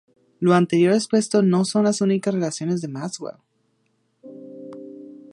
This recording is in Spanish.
Lo anterior expuesto no son las únicas relaciones de Maxwell.